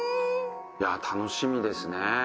いやぁ楽しみですね。